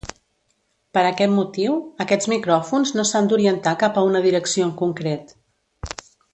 Per aquest motiu, aquests micròfons no s'han d'orientar cap a una direcció en concret.